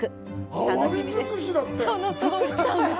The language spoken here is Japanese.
楽しみです。